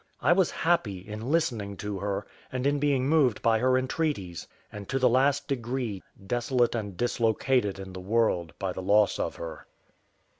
I was happy in listening to her, and in being moved by her entreaties; and to the last degree desolate and dislocated in the world by the loss of her.